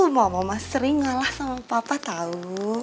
mama mama sering ngalah sama papa tahu